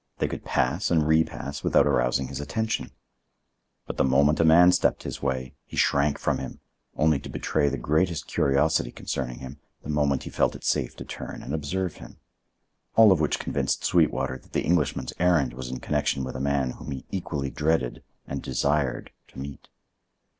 They could pass and repass without arousing his attention, but the moment a man stepped his way, he shrank from him only to betray the greatest curiosity concerning him the moment he felt it safe to turn and observe him. All of which convinced Sweetwater that the Englishman's errand was in connection with a man whom he equally dreaded and desired to meet.